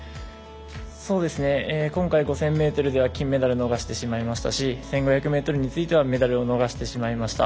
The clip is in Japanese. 今回５０００ｍでは金メダル逃してしまいましたし１５００ｍについてはメダルを逃してしまいました。